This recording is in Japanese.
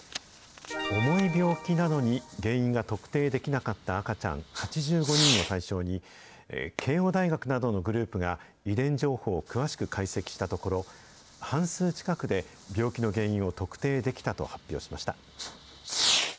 重い病気なのに原因が特定できなかった赤ちゃん８５人を対象に、慶応大学などのグループが、遺伝情報を詳しく解析したところ、半数近くで病気の原因を特定できたと発表しました。